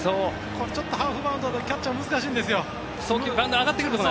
これ、ハーフバウンドでキャッチャー難しいんですよ。